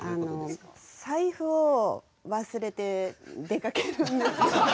財布を忘れて出かけるんですよ。